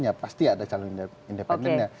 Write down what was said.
ya pasti ada calon independennya